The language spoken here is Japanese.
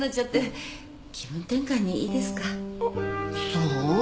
そう？